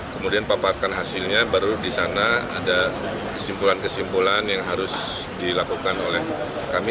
kemudian paparkan hasilnya baru di sana ada kesimpulan kesimpulan yang harus dilakukan oleh kami